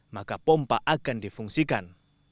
maka pompa akan difungsikan